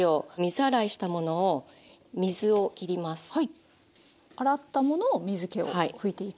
洗ったものを水けを拭いていく。